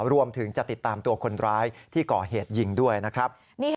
รวมถึงจะติดตามตัวคนร้ายที่ก่อเหตุยิงด้วยนะครับ